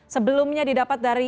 sebelumnya didapat dari aisbsd